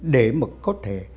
để có thể